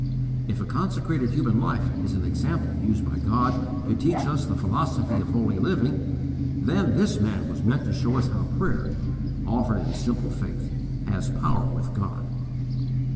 If a consecrated human life is an example used by God to teach us the philosophy of holy living, then this man was meant to show us how _prayer, offered in simple faith, has power with God.